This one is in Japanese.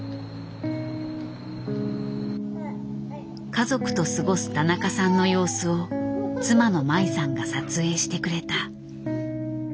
家族と過ごす田中さんの様子を妻のまいさんが撮影してくれた。